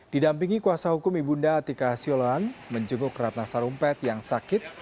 didampingi kuasa hukum ibunda atika siolan menjenguk ratna sarumpet yang sakit